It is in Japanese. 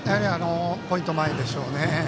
ポイントを前でしょうね。